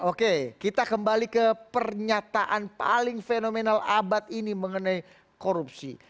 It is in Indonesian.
oke kita kembali ke pernyataan paling fenomenal abad ini mengenai korupsi